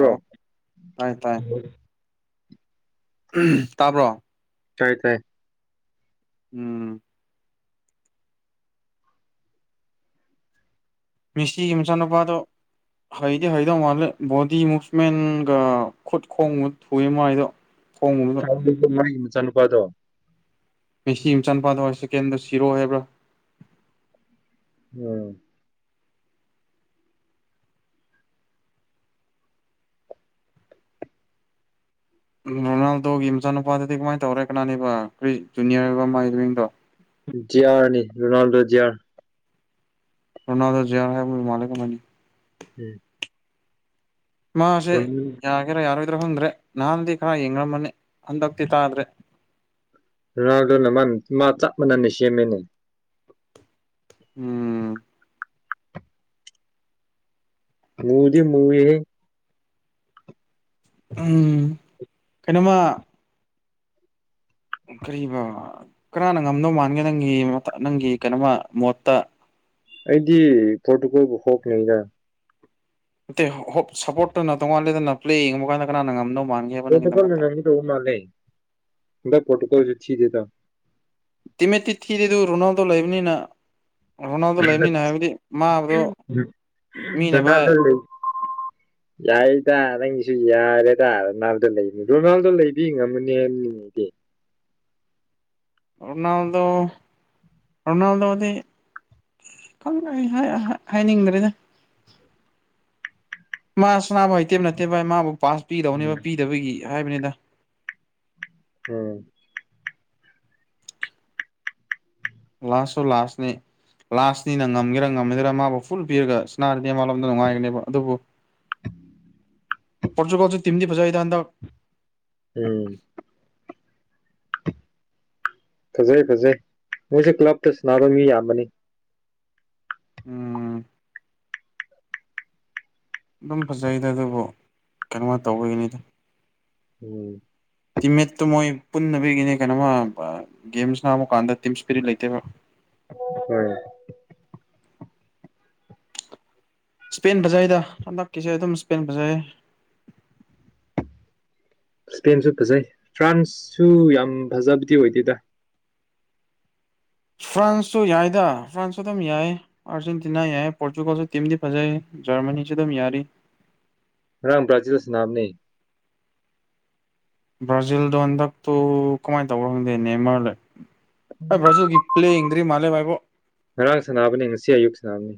ꯍꯥꯎ ꯇꯥꯏ ꯇꯥꯏ ꯇꯥꯕ꯭ꯔꯣ ꯇꯥꯏ ꯇꯥꯏ ꯎꯝ ꯃꯦꯁꯤꯒꯤ ꯃꯆꯥꯅꯨꯄꯥꯗꯣ ꯍꯩꯗꯤ ꯍꯩꯗꯧ ꯃꯥꯜꯂꯦ ꯕꯣꯗꯤ ꯃꯨꯚꯃꯦꯟꯒ ꯈꯨꯠ ꯈꯣꯡꯕ ꯊꯨꯏ ꯃꯥꯥꯏꯗꯣ [unintelligible] ꯃꯥꯏ ꯃꯆꯥꯅꯨꯄꯥꯗꯣ ꯃꯦꯁꯤ ꯃꯆꯥꯅꯨꯄꯥꯥꯗ ꯁꯦꯀꯦꯟꯗꯣ ꯁꯤꯔꯣ ꯍꯥꯏꯕ꯭ꯔꯥ ꯎꯝ ꯔꯣꯅꯥꯜꯗꯣꯒꯤ ꯃꯆꯥꯅꯨꯄꯥꯗꯨꯗꯤ ꯀꯃꯥꯏ ꯇꯧꯔꯦ ꯀꯅꯥꯅꯦꯕ ꯀꯩ ꯖꯨꯅꯤꯌꯔ ꯕ ꯃꯥꯒꯤ ꯃꯃꯤꯡꯗꯣ ꯖꯦꯌꯥꯔꯅꯤ ꯔꯣꯅꯥꯜꯗꯣ ꯖꯦꯌꯥꯔ ꯔꯣꯅꯥꯜꯗꯣ ꯖꯦꯌꯥꯔ [unintelligible] ꯎꯝ ꯃꯥꯁꯦ ꯌꯥꯒꯦꯔ ꯌꯥꯔꯣꯏ ꯭ꯈꯪꯗ꯭ꯔꯦ ꯅꯍꯥꯟꯅꯗꯤ ꯈꯔ ꯌꯦꯡꯅꯔꯝꯃꯅꯤ ꯍꯟꯗꯛꯇꯤ ꯇꯥꯗ꯭ꯔꯦ [unintelligible] ꯆꯞ ꯃꯥꯟꯅꯅ ꯁꯦꯝꯃꯦꯅꯦ ꯎꯝ ꯃꯨꯗꯤ ꯃꯨꯏꯍꯦ ꯎꯝ ꯀꯩꯅꯣꯃ ꯀꯔꯤꯕ ꯀꯅꯥꯅ ꯉꯝꯗꯧ ꯃꯥꯟꯒꯦ ꯅꯪꯒꯤ ꯅꯪꯒꯤ ꯀꯩꯅꯣꯝꯃ ꯃꯣꯠꯇ ꯑꯩꯗꯤ ꯄ꯭ꯔꯣꯇꯨꯒꯜꯕꯨ ꯍꯣꯞ ꯂꯩꯗ ꯅꯠꯇꯦ ꯍꯣꯞ ꯁꯞꯄꯣꯔꯠꯇꯨꯅ ꯇꯣꯉꯥꯜꯂꯦꯗꯅ ꯄ꯭ꯂꯦ ꯌꯦꯡꯕ ꯀꯥꯟꯗ ꯀꯅꯥꯅ ꯉꯝꯗꯧꯕ ꯄꯣꯔꯇꯨꯒꯜꯅ ꯉꯝꯒꯗꯧꯕ ꯃꯥꯜꯂꯦ ꯍꯟꯗꯛ ꯄ꯭ꯔꯣꯇꯨꯒꯜꯁꯨ ꯊꯤꯗꯦꯗ ꯇꯤꯝꯃꯦꯠꯇꯤ ꯊꯤꯔꯦ ꯗꯣ ꯔꯣꯅꯥꯜꯗꯣ ꯂꯩꯕꯅꯤꯅ ꯔꯣꯅꯥꯜꯗꯣ ꯂꯩꯕꯅꯤꯅ ꯍꯥꯏꯕꯗꯤ ꯃꯥꯗꯣ ꯃꯤꯅ ꯚꯥꯏ [inaudible] ꯌꯥꯔꯦꯗ ꯅꯪꯒꯤꯁꯨ ꯌꯥꯔꯦꯗ ꯔꯣꯅꯥꯜꯗꯣ ꯂꯩꯕꯗꯨ ꯔꯣꯅꯥꯜꯗꯣ ꯂꯩꯗꯤ ꯉꯝꯃꯅꯤ [unintelligible] [inaudible] ꯔꯣꯅꯥꯜꯗꯣ ꯔꯣꯅꯥꯜꯗꯣꯗꯤ ꯈꯪꯗ꯭ꯔꯦ ꯍꯦ ꯍꯥꯏꯅꯤꯡꯗ꯭ꯔꯦꯗ ꯃꯥ ꯁꯟꯅꯥꯕ ꯍꯩꯇꯦꯝ ꯅꯠꯇꯦꯕ ꯃꯥꯕꯨ ꯄꯥꯁ ꯄꯤꯗꯧꯅꯦꯕ ꯄꯤꯗꯕꯒꯤ ꯍꯥꯏꯕꯅꯤꯗ ꯎꯝ ꯂꯥꯁꯁꯨ ꯂꯥꯁꯅꯤ ꯂꯥꯁꯅꯤꯅ ꯉꯝꯒꯦꯔꯥ ꯉꯝꯒꯦꯔꯥ ꯃꯥꯕꯨ ꯐꯨꯜ ꯄꯤꯔꯒ ꯁꯟꯅꯥꯕ ꯅ ꯃꯥꯟꯂꯣꯝꯗ ꯅꯨꯡꯉꯥꯏꯒꯅꯦꯕ ꯑꯗꯨꯕꯨ ꯄꯣꯔꯇꯨꯒꯜꯁꯨ ꯇꯤꯝꯗꯤ ꯐꯖꯩꯗ ꯍꯟꯗꯛ ꯎꯝ ꯐꯖꯩ ꯐꯖꯩ ꯃꯣꯏꯁꯦ ꯀ꯭ꯂꯞꯇ ꯁꯥꯟꯅꯕ ꯃꯤ ꯌꯥꯝꯕꯅꯤ ꯎꯝ ꯑꯗꯨꯝ ꯐꯖꯩꯗ ꯑꯗꯨꯕꯨ ꯀꯩꯅꯣꯝꯃꯥ ꯇꯧꯕꯒꯤꯅꯤꯗ ꯎꯝ ꯇꯤꯝꯃꯦꯠꯇꯨ ꯃꯣꯏ ꯄꯨꯟꯗꯕꯒꯤꯅꯤ ꯀꯩꯅꯣꯝꯃ ꯒꯦꯝ ꯁꯥꯟꯅꯥꯕ ꯀꯥꯟꯗ ꯇꯤꯝ ꯏꯁꯄꯤꯔꯤꯠ ꯂꯩꯇꯦꯕ ꯎꯝ ꯏꯁꯄꯦꯟ ꯐꯖꯩꯗ ꯍꯟꯗꯛꯀꯤꯁꯦ ꯑꯗꯨꯝ ꯏꯁꯄꯦꯟ ꯐꯖꯩꯑꯦ ꯏꯁꯄꯦꯟ ꯈꯥꯔ ꯐꯖꯩ ꯐ꯭ꯔꯥꯟꯁꯁꯨ ꯌꯥꯝ ꯐꯖꯕꯗꯤ ꯑꯣꯏꯗꯦꯗ ꯐ꯭ꯔꯥꯟꯁꯁꯨ ꯌꯥꯏꯗ ꯐ꯭ꯔꯥꯟꯁꯁꯨ ꯑꯗꯨꯝ ꯌꯥꯏꯑꯦ ꯑꯥꯔꯖꯦꯟꯇꯤꯅꯥ ꯌꯥꯏꯑꯦ ꯄꯣꯔꯇꯨꯒꯜꯁꯨ ꯇꯤꯝꯗꯤ ꯐꯖꯩ ꯖ꯭ꯔꯃꯅꯤ ꯖꯨ ꯑꯗꯨꯝ ꯌꯥꯔꯤ ꯉꯔꯥꯡ ꯕ꯭ꯔꯥꯖꯤꯜ ꯁꯥꯅꯕꯅꯦ ꯕ꯭ꯔꯥꯖꯤꯜꯗꯣ ꯍꯟꯗꯛꯇꯣ ꯀꯃꯥꯏꯅ ꯇꯧꯕꯅꯣ ꯈꯪꯗꯦꯅꯦ ꯅꯦꯃꯥꯔꯅ ꯑꯩ ꯕ꯭ꯔꯥꯖꯤꯜꯒꯤ ꯄ꯭ꯂꯦ ꯌꯦꯡꯗ꯭ꯔꯤ ꯃꯥꯂꯦ ꯕꯥꯏꯕꯣ ꯉꯔꯥꯡ ꯁꯥꯟꯅꯕꯅꯤ ꯉꯁꯤ ꯑꯌꯨꯛ ꯁꯅꯥꯕꯅꯤ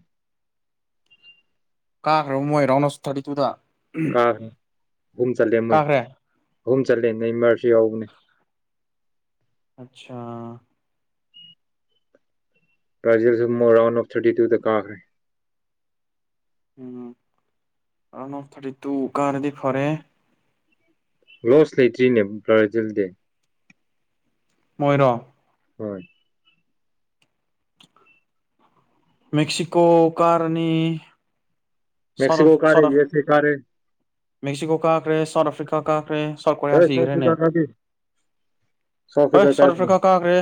ꯀꯥꯒ꯭ꯔꯕꯣ ꯃꯣꯏ ꯔꯥꯎꯟ ꯑꯣꯐ ꯊꯥꯔꯇꯤ ꯇꯨꯗ ꯀꯥꯕꯅꯤ ꯑꯍꯨꯝ ꯆꯜꯂꯦ ꯃꯣꯏ ꯀꯥꯈ꯭ꯔꯦ ꯑꯍꯨꯝ ꯆꯜꯂꯦ ꯅꯦꯃꯥꯔꯁꯨ ꯌꯥꯎꯕꯅꯦ ꯑꯠꯁꯥ ꯕꯥꯔꯖꯤꯜꯖꯨ ꯃꯣꯏ ꯔꯥꯎꯟ ꯑꯣꯐ ꯊꯥꯔꯇꯤ ꯇꯨꯗ ꯀꯥꯈ꯭ꯔꯦ ꯎꯝ ꯔꯥꯎꯟ ꯑꯣꯐ ꯊꯥꯔꯇꯤ ꯇꯨ ꯀꯔꯗꯤ ꯐꯔꯦ ꯂꯣꯁ ꯂꯩꯇ꯭ꯔꯤꯅꯦ ꯕ꯭ꯔꯥꯖꯤꯜ ꯗꯤ ꯃꯣꯏꯔꯣ ꯍꯣꯏ ꯃꯦꯛꯁꯤꯀꯣ ꯀꯥꯔꯅꯤ ꯃꯦꯛꯁꯤꯀꯣ ꯁꯥꯎꯠ ꯀꯥꯔꯦ ꯌꯨ ꯁꯥꯎꯠ ꯑꯦꯁ ꯑꯦ ꯀꯥꯔꯦ ꯃꯦꯛꯁꯤꯀꯣ ꯀꯥꯈ꯭ꯔꯦ ꯁꯥꯎꯠ ꯑꯐ꯭ꯔꯤꯀꯥ ꯀꯥꯈ꯭ꯔꯦ ꯁꯥꯎꯠ ꯀꯣꯔꯤꯌꯥ ꯑꯦ ꯁꯤꯈ꯭ꯔꯦꯅꯦ ꯑꯐ꯭ꯔꯤꯀꯥ ꯀꯥꯗꯦ ꯍꯣꯏꯠ ꯁꯥꯎꯠ ꯑꯐ꯭ꯔꯤꯀꯥ ꯀꯥꯈ꯭ꯔꯦ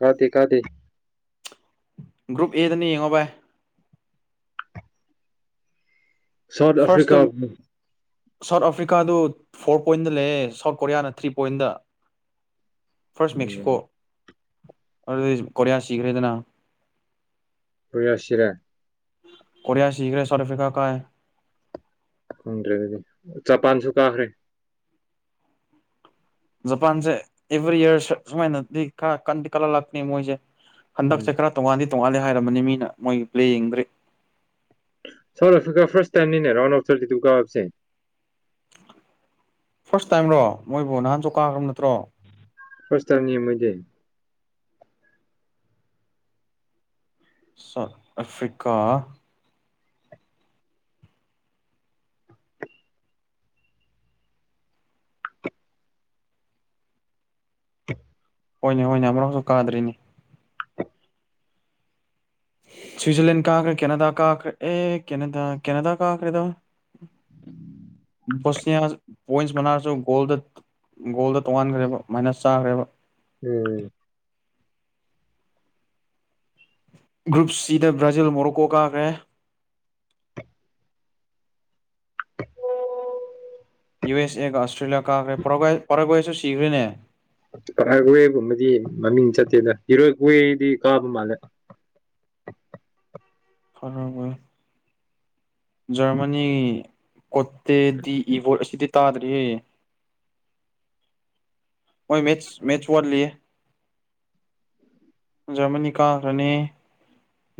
ꯀꯥꯗꯦ ꯀꯥꯗꯦ ꯒ꯭ꯔꯨꯞ ꯑꯦꯗꯅꯦ ꯌꯦꯡꯉꯣ ꯚꯥꯏ ꯁꯥꯎꯠ ꯑꯐ꯭ꯔꯤꯀꯥ ꯐꯥꯔꯁꯇ ꯃꯨ ꯁꯥꯎꯠ ꯑꯥꯐ꯭ꯔꯤꯀꯥꯗꯨ ꯐꯣꯔ ꯄꯣꯏꯟꯗ ꯂꯩꯌꯦ ꯁꯥꯎꯠ ꯀꯣꯔꯤꯌꯥꯅ ꯊ꯭ꯔꯤ ꯄꯣꯏꯟꯗ ꯐꯥ꯭ꯔꯁ ꯃꯦꯛꯁꯤꯀꯣ ꯑꯗꯨꯗꯤ ꯀꯣꯔꯤꯌꯥ ꯁꯤꯈ꯭ꯔꯦꯗꯅ ꯀꯣꯔꯤꯌꯥ ꯁꯤꯔꯦ ꯀꯣꯔꯤꯌꯥ ꯁꯤꯒ꯭ꯔꯦ ꯁꯥꯎꯠ ꯑꯐ꯭ꯔꯤꯀꯥ ꯀꯥꯏ ꯈꯪꯗ꯭ꯔꯦ ꯑꯗꯨꯗꯤ ꯖꯄꯥꯟꯁꯨ ꯀꯥꯈ꯭ꯔꯦ ꯖꯄꯥꯟꯁꯦ ꯑꯦꯚꯔꯤ ꯏꯤꯌꯔ ꯁ ꯁꯨꯃꯥꯏ ꯅꯗꯤ ꯈꯔ ꯀꯟꯗꯤ ꯀꯟꯂꯛꯂꯄꯅꯦ ꯃꯣꯏꯁꯦ ꯎꯝ ꯍꯟꯗꯛꯁꯦ ꯈꯔ ꯇꯣꯡꯉꯥꯟꯗꯤ ꯇꯣꯡꯉꯥꯥꯟꯂꯦ ꯍꯥꯏꯔꯕꯅꯦ ꯃꯤꯅ ꯃꯣꯏꯒꯤ ꯄ꯭ꯂꯦ ꯌꯦꯡꯗ꯭ꯔꯤ ꯁꯥꯎꯠ ꯑꯐ꯭ꯔꯤꯀꯥ ꯐꯥꯁ ꯇꯥꯏꯝꯅꯤꯅꯦ ꯔꯥꯎꯟ ꯑꯣꯐ ꯊꯥꯔꯇꯤ ꯇꯨ ꯀꯥꯕꯁꯦ ꯐꯥ꯭ꯔꯁ ꯇꯥꯏꯝꯔꯣ ꯃꯣꯏꯕꯨ ꯅꯍꯥꯟꯖꯨ ꯀꯥꯒ꯭ꯔꯕ ꯅꯠꯇ꯭ꯔꯣ ꯐ꯭ꯔꯥꯁ ꯇꯥꯏꯝ ꯅꯦ ꯃꯣꯏꯗꯤ ꯁꯥꯎꯠ ꯑꯐ꯭ꯔꯤꯀꯥ [inaudible] ꯍꯣꯏꯅꯦ ꯍꯣꯏꯅꯦ ꯑꯃꯔꯛꯁꯨ ꯀꯥꯗ꯭ꯔꯤꯅꯦ ꯁ꯭ꯋꯤꯖꯔꯂꯦꯟ ꯀꯥꯒ꯭ꯔꯦ ꯀꯦꯅꯥꯗꯥ ꯀꯥꯈ꯭ꯔꯦ ꯑꯦ ꯀꯦꯅꯥꯗꯥ ꯀꯦꯅꯥꯗꯥ ꯀꯥꯈ꯭ꯔꯦꯗ [inaudible] [unintelligible] ꯒꯣꯜꯗ ꯇꯣꯡꯉꯥꯟꯈ꯭ꯔꯦꯕ ꯃꯥꯏꯅꯁ ꯆꯥꯈ꯭ꯔꯦꯕ ꯎꯝ ꯒ꯭ꯔꯨꯞ ꯁꯤꯗ ꯕ꯭ꯔꯥꯖꯤꯜ ꯃꯣꯔꯣꯀꯣ ꯀꯥꯈ꯭ꯔꯦ ꯌꯨ ꯑꯦꯁ ꯑꯦꯒ ꯑꯁꯇ꯭ꯔꯦꯂꯤꯌꯥ ꯀꯥꯈ꯭ꯔꯦ ꯄꯔꯥꯒ ꯄꯔꯒ꯭ꯋꯦꯁꯨ ꯁꯤꯈ꯭ꯔꯦꯅꯦ ꯋꯦꯒꯨꯝꯕꯗꯤ ꯃꯃꯤꯡ ꯆꯠꯇꯦꯗ ꯍꯤꯔꯣꯏ ꯋꯦꯗꯤ ꯀꯥꯕ ꯃꯥꯜꯂꯦ ꯐꯔ ꯖ꯭ꯔꯃꯅꯤ ꯀꯣꯠꯇꯦꯗꯤ ꯏꯕꯣꯠ ꯑꯁꯤꯗꯤ ꯇꯥꯗ꯭ꯔꯤꯌꯦ [inaudible] ꯃꯣꯏ ꯃꯦꯆ ꯃꯦꯆ ꯋꯥꯠꯂꯤꯌꯦ ꯖꯔꯃꯅꯤ ꯀꯥꯈ꯭ꯔꯅꯤ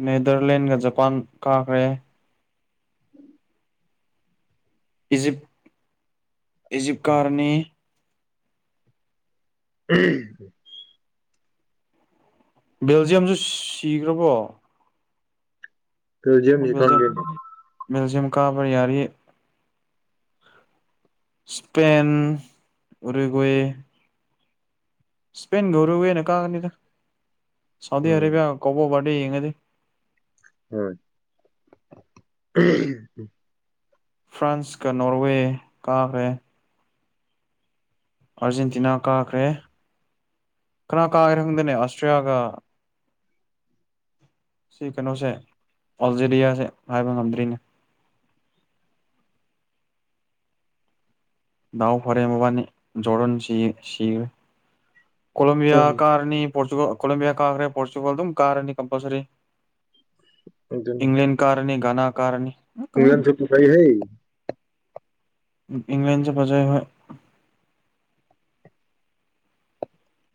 ꯅꯦꯗꯔꯂꯦꯟꯒ ꯖꯄꯥꯟ ꯀꯥꯈ꯭ꯔꯦ ꯏꯖꯤꯞ ꯏꯖꯤꯞꯀꯥꯔꯅꯤ ꯎꯝ [unintelligible] ꯕꯦꯜꯖꯤꯌꯝꯁꯨ ꯁꯤꯈ꯭ꯔꯕꯣ ꯕꯦꯜꯖꯤꯌꯝꯖꯤ ꯈꯪꯗꯦ ꯕꯦꯜꯜꯖꯤꯌꯝ ꯀꯥꯕ ꯌꯥꯔꯤ ꯏꯁꯄꯦꯟ ꯎꯔꯤꯒꯋꯦ ꯁꯄꯦꯟꯒ ꯎꯔꯨꯋꯦꯅ ꯀꯥꯒꯅꯤꯗ ꯁꯥꯎꯗꯤ ꯎꯝ ꯑꯔꯕꯤꯌꯥ ꯀꯕꯣ ꯋꯥꯠ ꯌꯦꯉꯗꯤ ꯍꯣꯏ [unintelligible] ꯐ꯭ꯔꯥꯟꯁ ꯀ ꯅꯣꯔꯋꯦ ꯀꯥꯒ꯭ꯔꯦ ꯑꯥꯔꯖꯦꯟꯇꯤꯅꯥ ꯀꯥꯈ꯭ꯔꯦ ꯀꯅꯥ ꯀꯥꯒꯦ ꯈꯪꯗꯅꯦ ꯑꯁꯇ꯭ꯔꯤꯌꯥꯒ ꯁꯤ ꯀꯩꯅꯣꯁꯦ ꯑꯜꯖꯦꯔꯤꯌꯥꯁꯦ ꯍꯥꯏꯕ ꯉꯝꯗ꯭ꯔꯤꯅꯦ ꯗꯥꯎ ꯐꯔꯦ ꯃꯣꯕꯥꯟꯅꯤ ꯖꯣꯔꯗꯥꯟ ꯁꯤ ꯁꯤꯒ꯭ꯔꯦ ꯀꯣꯂꯦꯝꯣꯕꯤꯌꯥ ꯍꯣꯏ ꯀꯥꯔꯅꯤ ꯄꯣꯔꯇ꯭ꯔꯨ ꯀꯣꯂꯦꯝꯣꯕꯤꯌꯥ ꯀꯥꯈ꯭ꯔꯦ ꯄꯣꯔꯇ꯭ꯔꯨꯒꯜ ꯑꯗꯨꯝ ꯀꯥꯔꯅꯤ ꯀꯝꯄꯜꯁꯔꯤ ꯏꯪꯂꯦꯟ ꯀꯥꯔꯅꯤ ꯒꯅꯥ ꯀꯥꯔꯅꯤ ꯏꯪꯂꯦꯟꯁꯨ ꯐꯖꯩꯍꯩ ꯏꯪꯂꯟꯁꯨ ꯐꯖꯩ ꯍꯣꯏ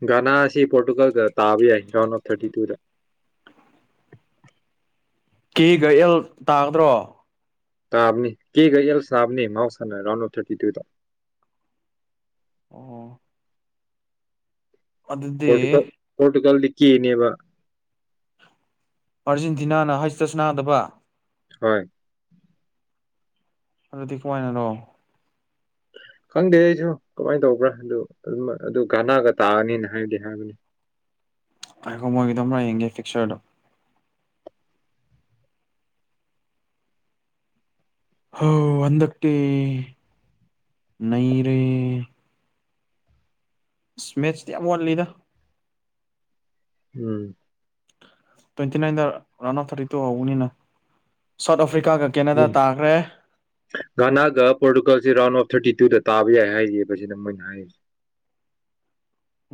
ꯒꯅꯥ ꯑꯁꯤ ꯄꯣꯔꯇꯨꯒꯜꯒ ꯇꯥꯕ ꯌꯥꯏ ꯔꯥꯎꯟ ꯑꯣꯐ ꯊꯥꯔꯇꯤ ꯇꯨꯗ ꯀꯦꯒ ꯑꯦꯜ ꯇꯥꯗ꯭ꯔꯣ ꯇꯥꯕꯅꯤ ꯀꯦꯒ ꯑꯦꯜꯁ ꯇꯥꯕꯅꯤ ꯃꯥꯥꯎꯎꯁꯅ ꯔꯥꯎꯟ ꯑꯣꯐ ꯊꯥꯔꯇꯤ ꯇꯨꯗ ꯑꯣ ꯑꯗꯨꯗꯤ ꯄꯣꯇꯨꯒꯜ ꯄꯣꯇꯨꯒꯜꯗꯤ ꯀꯦꯅꯦꯕ ꯑꯥꯔꯖꯦꯟꯇꯤꯅꯥꯅ ꯍꯩꯆꯗ ꯁꯥꯟꯅꯗꯕ ꯍꯣꯏ ꯑꯗꯨꯗꯤ ꯀꯃꯥꯏꯅꯔꯣ [unintelligible] ꯈꯪꯗꯦ ꯑꯩꯁꯨ ꯀꯃꯥꯏꯅ ꯇꯧꯕ꯭ꯔꯥ ꯑꯗꯨ ꯑꯗꯨ ꯒꯅꯥꯒ ꯇꯥꯔꯅꯤꯗꯤ ꯍꯥꯏꯗꯤ ꯍꯥꯏꯕꯅꯦ [inaudible] ꯉꯥꯏꯈꯣ ꯑꯃꯨꯔꯛ ꯌꯦꯡꯒꯦ ꯄꯤꯛꯆꯔꯗꯣ ꯍꯣ ꯍꯟꯗꯛꯇꯤ ꯅꯩꯔꯦ ꯏꯁ ꯃꯦꯠꯁꯇꯤ ꯌꯥꯝ ꯋꯥꯠꯂꯤꯗ ꯎꯝ ꯇ꯭ꯋꯦꯟꯇꯤ ꯅꯥꯏꯟꯗ ꯔꯟ ꯑꯐ ꯊꯥꯔꯇꯤ ꯇꯨ ꯍꯧꯕꯅꯤꯅ ꯁꯥꯎꯠ ꯑꯐ꯭ꯔꯤꯀꯥꯒ ꯀꯦꯅꯥꯗꯥ ꯎꯝ ꯇꯥꯈ꯭ꯔꯦ ꯒꯅꯥꯒ ꯄꯣꯔꯇꯨꯒꯜꯁꯤ ꯔꯥꯎꯟ ꯑꯣꯐ ꯊꯥꯔꯇꯤ ꯇꯨꯗ ꯇꯥꯕ ꯌꯥꯏ ꯍꯥꯏꯔꯤꯑꯦ ꯕꯁꯤꯗ ꯃꯣꯏꯅ ꯍꯥꯏꯔꯤ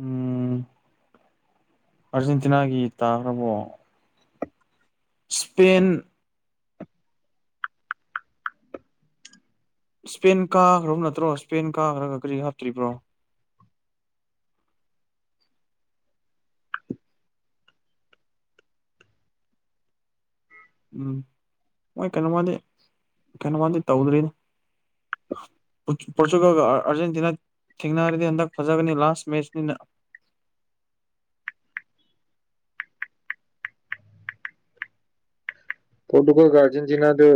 ꯎꯝ ꯑꯥꯔꯖꯦꯟꯇꯤꯅꯥꯒꯤ ꯇꯥꯈ꯭ꯔꯕꯣ ꯁ꯭ꯄꯦꯟ ꯁ꯭ꯄꯦꯟ ꯀꯥꯈ꯭ꯔꯕ ꯅꯠꯇ꯭ꯔꯣ ꯁ꯭ꯄꯦꯟ ꯀꯥꯈ꯭ꯔꯒ ꯀꯔꯤ ꯍꯥꯞꯇ꯭ꯔꯤꯕ꯭ꯔꯣ ꯎꯝ ꯃꯣꯏ ꯀꯩꯅꯣꯃꯗꯤ ꯀꯩꯅꯣꯃꯗꯤ ꯇꯧꯗ꯭ꯔꯤꯅꯦ [inaudible] ꯄꯣꯔꯆꯨꯒꯜꯒ ꯑꯥꯔꯖꯦꯟꯇꯤꯅ ꯊꯦꯡꯅꯔꯗꯤ ꯍꯟꯗꯛ ꯐꯖꯒꯅꯤ ꯂꯥꯁ ꯃꯦꯠꯆꯅꯤꯅ [inaudible] ꯄꯣꯔꯇꯨꯒꯜꯒ ꯑꯥꯔꯖꯦꯟꯇꯤꯅꯒ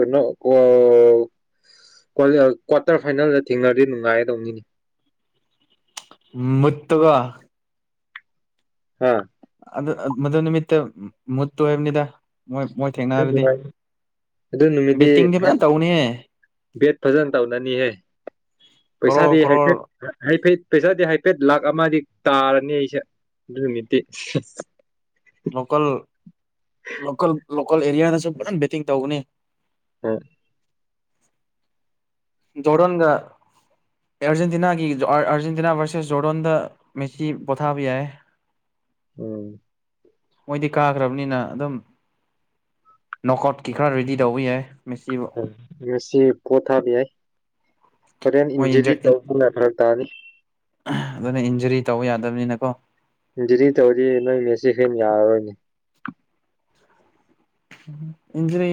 ꯀ꯭ꯋꯥꯇꯔ ꯐꯥꯏꯅꯦꯜꯗ ꯊꯦꯡꯅꯔꯗꯤ ꯅꯨꯡꯉꯥꯏꯒꯗꯧꯅꯤꯅꯤ ꯃꯠꯇꯒ ꯑꯥ ꯑꯗꯨ ꯃꯗꯨ ꯅꯤꯃꯤꯠꯇꯣ ꯃꯨꯠꯇꯣ ꯍꯥꯏꯕꯅꯤꯗ ꯃꯣꯏ ꯃꯣꯏ ꯈꯪꯗꯦ ꯊꯦꯡꯅꯔꯗꯤ ꯚꯥꯈ ꯑꯗꯨ ꯅꯨꯃꯤꯠꯗꯤ ꯕꯦꯠꯇꯤꯡꯗꯤ ꯒ꯭ꯔꯦꯠ ꯐꯖꯅ ꯇꯧꯅꯤꯍꯦ ꯕꯦꯠ ꯐꯖꯅ ꯇꯧꯅꯅꯤꯍꯦ ꯀꯔꯣꯔ ꯄꯩꯁꯥꯗꯤ ꯀꯔꯣꯔ ꯍꯥꯏꯐꯦꯠ ꯍꯥꯏꯐꯦꯠ ꯄꯩꯁꯥꯗꯤ ꯍꯥꯏ ꯍꯥꯏꯐꯦꯠ ꯂꯥꯛ ꯑꯃꯗꯤ ꯇꯥꯔꯅꯤ ꯑꯩꯁꯦ ꯑꯗꯨ ꯅꯨꯃꯤꯠꯇꯤ ꯂꯣꯀꯜ ꯂꯣꯀꯜ ꯂꯣꯀꯜ ꯑꯦꯔꯤꯌꯥꯗꯁꯨ ꯐꯖꯅ ꯕꯦꯠꯇꯤꯡ ꯇꯧꯒꯅꯤ ꯑ ꯖꯣꯔꯗꯟꯒ ꯑꯥꯔꯖꯦꯟꯇꯤꯅꯥꯒꯤ ꯑꯥꯔꯖꯦꯟꯇꯤꯅꯥ ꯚꯔꯁꯦꯁ ꯖꯣꯔꯗꯣꯟꯗ ꯃꯦꯁꯤ ꯄꯣꯊꯥꯕ ꯌꯥꯏ ꯎꯝ ꯃꯣꯏꯗꯤ ꯀꯥꯈ꯭ꯔꯕꯅꯤꯅ ꯑꯗꯨꯝ ꯅꯣꯛ ꯑꯥꯎꯠꯀꯤ ꯈꯔ ꯔꯦꯗꯤ ꯇꯧꯕ ꯌꯥꯏ ꯃꯦꯁꯤꯕꯨ ꯃꯦꯁꯤ ꯄꯣꯊꯥꯕ ꯌꯥꯏ ꯃꯣꯏ ꯑꯥꯔꯖꯦꯟꯇꯤꯅ ꯏꯟꯖ ꯖꯦꯖꯤ ꯇꯧꯕ ꯌꯥꯕ ꯇꯥꯅꯤ ꯑꯗꯨꯅ ꯏꯟꯖꯔꯤ ꯇꯧꯕ ꯌꯥꯗꯕꯅꯤꯅꯀꯣ ꯏꯟꯖꯤꯔꯤ ꯇꯧꯔꯗꯤ ꯅꯣꯏ ꯃꯦꯁꯤ ꯐꯦꯟ ꯌꯥꯔꯔꯣꯏꯅꯦ ꯏꯟꯖ꯭ꯔꯔꯤ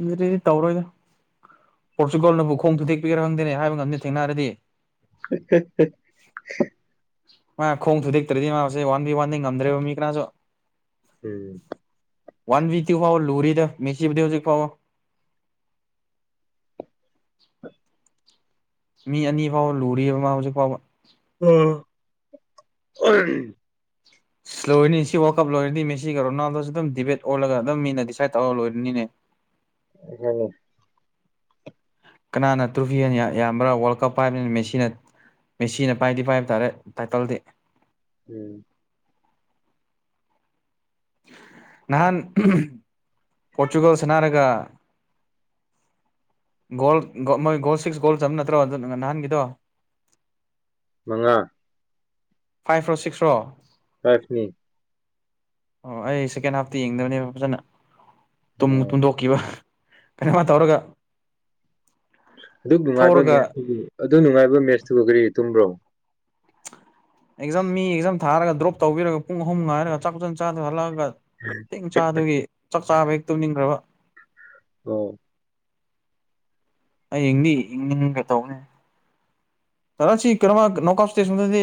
ꯏꯟꯖ꯭ꯔꯔꯤ ꯇꯧꯔꯣꯏꯗ ꯄꯣꯔꯆꯨꯒꯜꯅꯕꯨ ꯈꯣꯡ ꯊꯨꯗꯦꯛꯄꯤꯒꯦꯔ ꯈꯪꯗꯦꯅꯦ ꯍꯥꯏꯕ ꯉꯝꯗꯦ ꯁꯦꯡꯅ ꯍꯥꯢꯔꯗꯤ ꯍ ꯍ ꯍ ꯃꯥ ꯈꯣꯡ ꯊꯨꯗꯦꯛꯇ꯭ꯔꯗꯤ ꯃꯥꯁꯦ ꯋꯥꯟꯗꯤ ꯋꯥꯟꯗꯤ ꯉꯝꯗ꯭ꯔꯦꯕ ꯃꯤ ꯀꯅꯥꯁꯨ ꯎꯝ ꯋꯥꯟ ꯕꯤ ꯇꯨꯐꯥꯎ ꯂꯨꯔꯤ ꯇꯣ ꯃꯦꯁꯤꯕꯨꯗꯤ ꯍꯧꯖꯤꯛ ꯐꯥꯎꯕ [inaudible] ꯃꯤ ꯑꯅꯤ ꯐꯥꯎꯕ ꯂꯨꯔꯤꯌꯦꯕ ꯃꯥ ꯍꯧꯖꯤꯛ ꯐꯥꯎꯕ ꯎꯝ ꯑꯥꯝ ꯂꯣꯏꯔꯅꯤ ꯁꯤ ꯋꯥꯔꯜ ꯀꯞ ꯂꯣꯏꯔꯅꯤ ꯃꯁꯤꯒ ꯔꯣꯅꯥꯜꯗꯣꯁꯨ ꯑꯗꯨꯝ ꯗꯤꯕꯦꯠ ꯑꯣꯜꯂꯒ ꯑꯗꯨꯝ ꯃꯤꯅ ꯗꯤꯁꯥꯏꯠ ꯇꯧꯔ ꯂꯣꯏꯔꯅꯤꯅꯦ ꯑꯩꯈꯪꯉꯤ ꯀꯅꯥꯅ ꯇ꯭ꯔꯣꯐꯤ ꯑꯅꯤ ꯌꯥ ꯌꯥꯝꯕ꯭ꯔꯥ ꯋꯥꯔꯜ ꯀꯞ ꯄꯥꯏꯕꯅꯤꯅ ꯃꯦꯁꯤꯅ ꯃꯦꯁꯤꯅ ꯄꯥꯏꯗꯤ ꯄꯥꯏꯕ ꯇꯥꯔꯦ ꯇꯥꯏꯇꯜꯗꯤ ꯎꯝ ꯅꯍꯥꯟ ꯄꯣꯔꯆꯨꯒꯜ ꯁꯅꯥꯔꯒ ꯒꯣꯜ ꯃꯣꯏ ꯒꯣꯜ ꯁꯤꯛꯁ ꯒꯣꯜ ꯆꯟꯕ ꯅꯠꯇ꯭ꯔꯣ ꯅꯍꯥꯟꯒꯤꯗꯣ ꯃꯉꯥ ꯐꯥꯏꯐꯔꯣ ꯁꯤꯛꯁꯔꯣ ꯐꯥꯏꯐꯅꯤ ꯑꯣ ꯑꯩ ꯁꯦꯀꯦꯟ ꯍꯥꯐꯇꯤ ꯌꯦꯡꯗꯕꯅꯦꯕ ꯐꯖꯅ ꯇꯨꯡ ꯑꯣ ꯇꯨꯝꯗꯣꯛꯈꯤꯕ ꯀꯩꯅꯣꯃ ꯇꯧꯔꯒ ꯑꯗꯨꯛ ꯅꯨꯡꯉꯥꯏꯕ ꯊꯣꯛꯔꯒ ꯃꯦꯁꯇꯨꯒꯤ ꯑꯗꯨ ꯅꯨꯡꯉꯥꯏꯕ ꯃꯦꯠꯁꯇꯨꯕꯨ ꯀꯔꯤꯒꯤ ꯇꯨꯝꯕ꯭ꯔꯣ ꯑꯦꯛꯖꯥꯝ ꯃꯤ ꯑꯦꯛꯖꯥꯝ ꯊꯥꯔꯒ ꯗ꯭ꯔꯣꯞ ꯇꯧꯕꯤꯔꯒ ꯄꯨꯡ ꯑꯍꯨꯝ ꯉꯥꯏꯔꯒ ꯆꯥꯛ ꯐꯖ ꯆꯥꯗ ꯍꯜꯂꯛꯑꯒ ꯀꯩꯡ ꯆꯥꯗ꯭ꯔꯤ ꯆꯥꯛ ꯆꯥꯕ ꯍꯦꯛ ꯇꯨꯝꯅꯤꯡꯈ꯭ꯔꯕ ꯑꯣ ꯍꯌꯦꯡꯅꯤ ꯏꯡꯅꯤꯡꯒ ꯇꯧꯕꯅꯤ ꯀꯩꯅꯣ ꯁꯤ ꯀꯩꯅꯣꯃ ꯅꯣꯛꯑꯥꯎꯇ ꯏꯁꯇꯦꯁꯟꯗꯗꯤ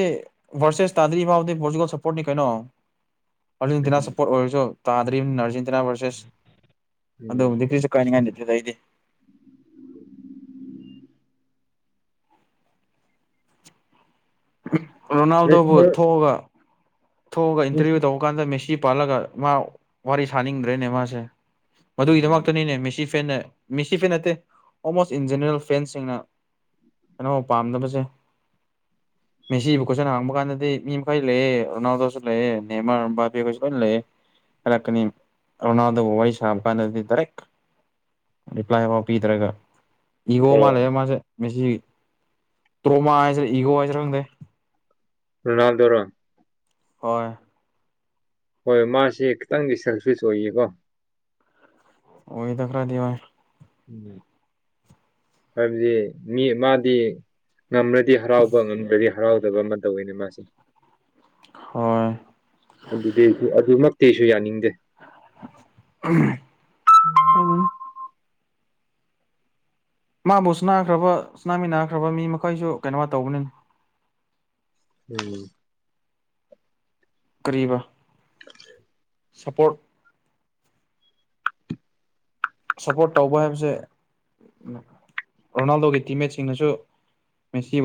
ꯚꯥꯔꯁꯦꯁ ꯇꯥꯗ꯭ꯔꯤ ꯐꯥꯎꯕꯗꯤ ꯄꯣꯔꯇꯨꯒꯟ ꯁꯄꯣꯔꯇꯅꯤ ꯀꯩꯅꯣ ꯑꯔꯖꯤꯦꯟꯇꯤꯅꯥ ꯎꯝ ꯁꯞꯄꯣꯔꯠ ꯑꯣꯏꯔꯁꯨ ꯇꯥꯗ꯭ꯔꯤꯕꯅꯤꯅ ꯑꯔꯖꯦ ꯇꯤꯅꯥ ꯚꯔꯁꯦꯁ ꯑꯗꯨꯕꯨꯗꯤ ꯀꯔꯤꯁꯨ ꯀꯥꯏꯅꯤꯡꯉꯥꯏ ꯂꯩꯇꯦꯗ ꯑꯩꯗꯤ ꯎꯝ ꯔꯣꯅꯥꯜꯗꯣꯕꯨ ꯅꯦꯁꯅꯦꯜ ꯊꯣꯛꯑꯒ ꯊꯣꯛꯑꯒ ꯏꯟꯇꯔꯚꯤꯌꯨ ꯇꯧꯕ ꯀꯥꯟꯗ ꯃꯦꯁꯤ ꯄꯥꯜꯂꯒ ꯃꯥ ꯋꯥꯔꯤ ꯁꯥꯅꯤꯡꯗ꯭ꯔꯦꯅꯦ ꯃꯥꯁꯦ ꯎꯝ ꯃꯗꯨꯒꯤꯗꯃꯛꯇꯅꯤꯅꯦ ꯃꯦꯁꯤ ꯐꯦꯟꯅ ꯃꯤꯁꯤ ꯐꯦꯟ ꯅꯠꯇꯦ ꯑꯣꯜꯃꯣꯁ ꯏꯟ ꯖꯦꯅꯔꯦꯜ ꯐꯦꯟꯁꯤꯡꯅ ꯀꯩꯅꯣ ꯄꯥꯝꯗꯕꯁꯦ ꯃꯦꯁꯤꯕꯨ ꯀꯣꯠꯁꯟ ꯍꯥꯡꯕ ꯀꯥꯟꯗꯗꯤ ꯃꯤ ꯃꯈꯩ ꯂꯩꯑꯦ ꯔꯣꯅꯥꯜꯗꯣꯁꯨ ꯂꯩꯌꯦ ꯅꯦꯃꯥꯔ ꯑꯦꯝꯕꯥꯄꯦ ꯈꯣꯏꯁꯨ ꯂꯣꯏꯅ ꯂꯩꯌꯦ ꯍꯥꯏꯔꯛꯀꯅꯤ ꯔꯣꯅꯥꯜꯗꯣꯒ ꯋꯥꯔꯤ ꯁꯥꯕ ꯀꯥꯟꯗꯗꯤ ꯗꯔꯦꯛ ꯔꯤꯄ꯭ꯂꯥꯏꯐꯥꯎ ꯄꯤꯗ꯭ꯔꯒ ꯏꯒꯣ ꯃꯥꯂꯦ ꯑꯣ ꯃꯥꯁꯦ ꯃꯦꯁꯤ ꯇ꯭ꯔꯣꯃꯥ ꯍꯥꯏꯁꯦ ꯏꯒꯣ ꯍꯥꯏꯁꯤꯔꯈꯪꯗꯦ ꯔꯣꯅꯥꯜꯗꯣꯜ ꯔꯣ ꯍꯣꯏ ꯍꯣꯏ ꯃꯥꯁꯦ ꯈꯤꯇꯪꯗꯤ ꯁꯦꯜꯐꯤꯁ ꯑꯣꯏꯌꯦꯀꯣ ꯑꯣꯏꯗ ꯈꯔꯥꯗꯤ ꯑꯣꯏ ꯎꯝ ꯍꯥꯏꯕꯗꯤ ꯃꯤ ꯃꯥꯗꯤ ꯉꯝꯃꯗꯤ ꯍꯔꯥꯎꯕ ꯉꯝꯗ꯭ꯔꯗꯤ ꯍꯔꯥꯎꯗꯕ ꯑꯃ ꯇꯧꯋꯤꯅꯦ ꯃꯥꯁꯦ ꯍꯣꯏ ꯑꯗꯨꯗꯤ ꯑꯗꯨꯃꯛꯇꯤꯑꯩꯁꯨ ꯌꯥꯅꯤꯡꯗꯦ [unintelligible] ꯃꯥꯕꯨ ꯁꯨꯅꯥꯈ꯭ꯔꯕ ꯁꯨꯅꯥꯃꯤꯟꯅꯈ꯭ꯔꯕ ꯃꯤ ꯃꯈꯣꯏꯁꯨ ꯀꯩꯅꯣ ꯇꯧꯕꯅꯦ ꯎꯝ ꯀꯔꯤꯕ ꯁꯞꯄꯣꯔꯠ ꯁꯞꯄꯣꯔꯠ ꯇꯧꯕ ꯍꯥꯏꯕꯁꯦ ꯔꯣꯅꯥꯜꯗꯣꯒꯤ ꯇꯤꯝꯃꯦꯠꯁꯤꯡꯅꯁꯨ ꯃꯦꯁꯤ